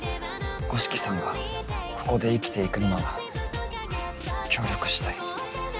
五色さんがここで生きていくのなら協力したい。